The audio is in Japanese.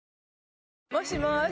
もしもーし